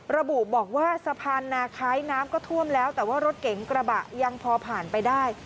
ระบุบอกว่าสะพานนาคล้ายน้ำก็ท่วมแล้วแต่ว่ารถเก๋งกระบะยังพอผ่านไปได้